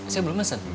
saya belum pesen